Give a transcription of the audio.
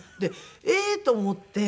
ええー！と思って。